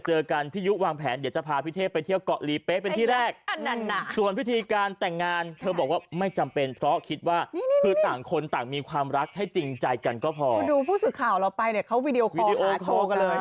ขอให้พี่เทพที่อยู่สมหังค่ะมันฟังแล้วมันชื่นใจเนอะโอ้โห